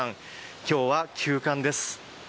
今日は休館です。